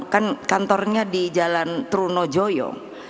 kan kantornya di jalan trunojoyo